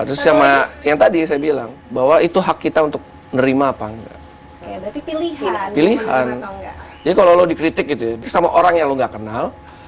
terus sama yang tadi saya bilang bahwa itu hak kita untuk nerima apa enggak pilihan jadi kalau lo dikritik gitu sama orang yang lo gak kenal